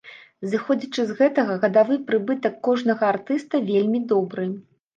Зыходзячы з гэтага гадавы прыбытак кожнага артыста вельмі добры.